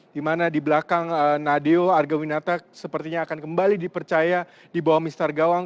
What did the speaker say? di mana di belakang nadeo argawinata sepertinya akan kembali dipercaya di bawah mister gawang